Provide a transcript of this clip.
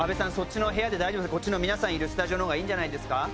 こっちのスタジオのほうがいいんじゃないですか？